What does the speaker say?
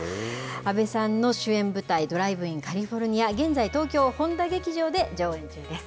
阿部さんの主演舞台、ドライブインカリフォルニア、現在、東京・本多劇場で上演中です。